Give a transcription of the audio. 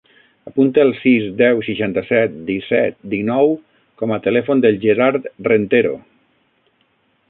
Apunta el sis, deu, seixanta-set, disset, dinou com a telèfon del Gerard Rentero.